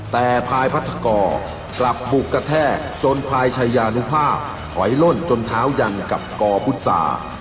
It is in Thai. แต่พายพัทกรกลับบุกกระแทกจนพลายชายานุภาพถอยล่นจนเท้ายันกับกอพุษา